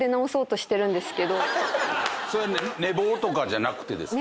それは寝坊とかじゃなくてですか？